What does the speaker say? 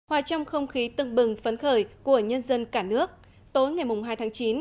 hòa trong không khí tưng bừng phấn khởi của nhân dân cả nước tối ngày hai tháng chín